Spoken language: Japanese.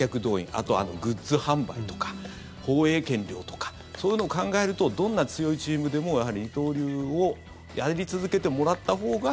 あと、グッズ販売とか放映権料とかそういうのを考えるとどんな強いチームでも二刀流をやり続けてもらったほうが。